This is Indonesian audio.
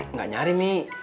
nggak nyari mi